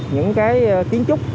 những cái kiến trúc